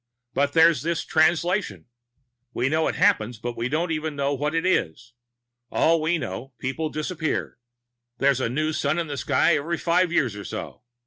But there's this Translation. We know it happens, but we don't even know what it is. All we know, people disappear. There's a new sun in the sky every five years or so.